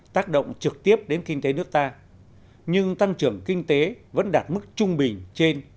tác động trực tiếp đến kinh tế nước ta nhưng tăng trưởng kinh tế vẫn đạt mức trung bình trên